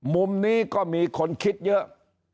มุมนี้ก็มีคนคิดเยอะ